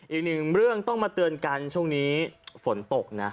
อีกหนึ่งเรื่องต้องมาเตือนกันช่วงนี้ฝนตกนะ